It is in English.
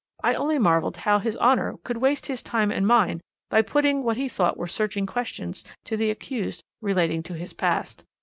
I only marvelled how his Honour could waste his time and mine by putting what he thought were searching questions to the accused relating to his past.